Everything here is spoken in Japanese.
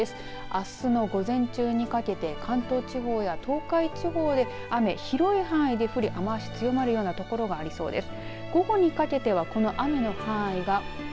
あすの午前中にかけて関東地方や東海地方で雨が広い範囲で降り雨足が強まる所もありそうです。